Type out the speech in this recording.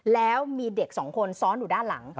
แล้วมีเด็กสองคนซ้อนอยู่ด้านหลัง